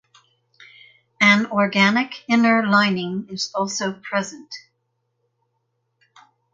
An organic inner lining is also present.